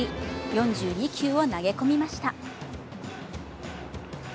４２球を投げ込みました。